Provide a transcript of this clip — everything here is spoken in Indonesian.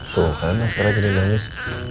tuh kan naskara jadi manis